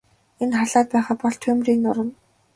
Энэ харлаад байгаа бол түймрийн нурам.